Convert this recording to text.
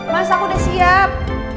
mas aku udah siap